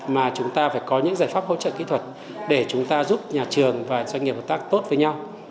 mà chúng ta phải có những giải pháp hỗ trợ kỹ thuật để chúng ta giúp nhà trường và doanh nghiệp hợp tác tốt với nhau